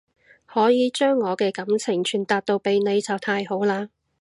可以將我嘅感情傳達到俾你就太好喇